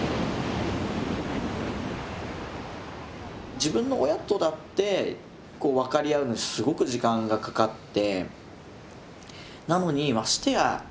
自分の親とだって分かり合うのにすごく時間がかかって。